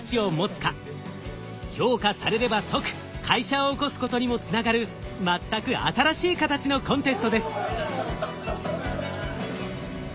評価されれば即会社を興すことにもつながる全く新しい形のコンテストです。